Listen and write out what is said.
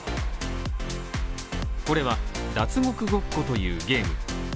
これは、脱獄ごっこというゲーム。